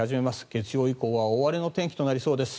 月曜以降は大荒れの天気となりそうです。